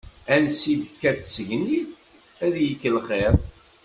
Ansi tekka tsegnit, ad ikk lxiḍ.